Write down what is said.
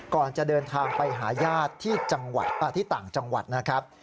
ก่อนจะเดินทางไปหาญาติที่ต่างจังหวัดนะครับ